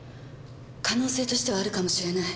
可能性としてはあるかもしれない。